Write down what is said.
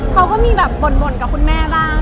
เขาก็มีแบบบ่นกับคุณแม่บ้าง